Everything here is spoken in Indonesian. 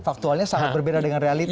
faktualnya sangat berbeda dengan realita